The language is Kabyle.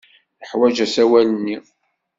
Ḥwajeɣ asawal-nni.